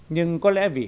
nhưng có lẽ vì